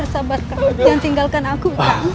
bersabar dan tinggalkan aku